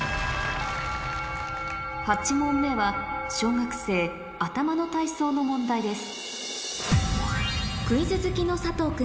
８問目は小学生の問題です